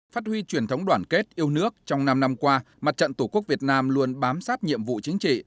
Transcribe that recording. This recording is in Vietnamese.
phát huy truyền thống đoàn kết yêu nước trong năm năm qua mặt trận tổ quốc việt nam luôn bám sát nhiệm vụ chính trị